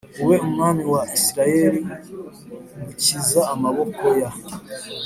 Ube umwami wa isirayeli ngukiza amaboko ya